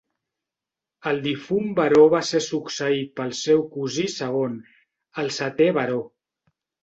El difunt baró va ser succeït pel seu cosí segon, el setè baró.